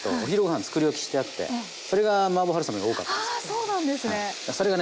あそうなんですね。